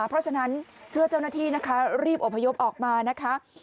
เพราะฉะนั้นเชื่อเจ้าหน้าที่นะคะรีบอบพยพออกมานะคะ